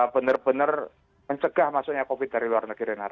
benar benar mencegah masuknya covid dari luar negeri renat